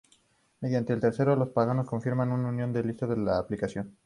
Mediante un tercero, los pagos se confirman en una lista dentro de la aplicación.